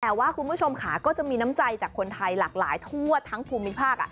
แต่ว่าคุณผู้ชมค่ะก็จะมีน้ำใจจากคนไทยหลากหลายทั่วทั้งภูมิภาค